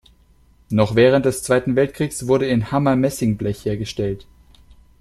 Noch während des Zweiten Weltkriegs wurde in Hammer Messingblech hergestellt.